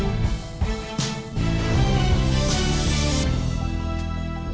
สามารถรับชมได้ทุกวัย